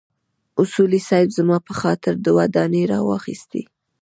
اصولي صیب زما په خاطر دوه دانې راواخيستې.